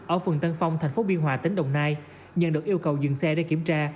ở phần tân phong thành phố biên hòa tỉnh đồng nai nhận được yêu cầu dừng xe để kiểm tra